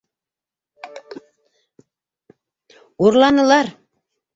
Урланылар!